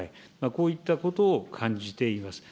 こういったことを感じています。